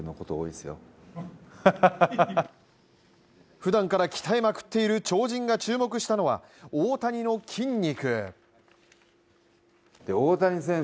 ふだんから鍛えまくっている超人が注目したのは大谷の筋肉。